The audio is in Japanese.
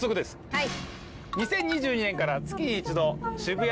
はい。